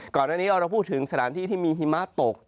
ก่อนอันนี้เราพูดถึงสถานที่ที่มีหิมะตก